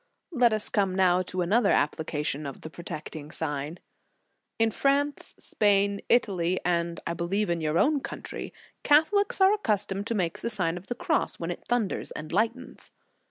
Let us come now to another application of the protecting sign. In France, Spain, Italy, and I believe in your own country, Catholics are accustomed to make the Sign of the Cross when it thun ders and lightens.